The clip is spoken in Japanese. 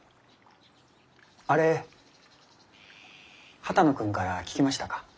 あれ波多野君から聞きましたか？